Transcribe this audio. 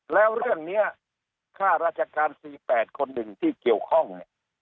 แล้วเรื่องเนี่ยข้าราชการ๔๘คนหนึ่งที่เกี่ยวข้อง